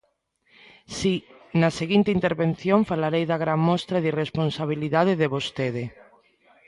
Si, na seguinte intervención falarei da gran mostra de irresponsabilidade de vostede.